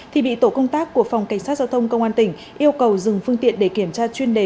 thì bị tổ công tác của phòng cảnh sát giao thông công an tỉnh yêu cầu dừng phương tiện để kiểm tra chuyên đề